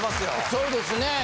そうですねえ。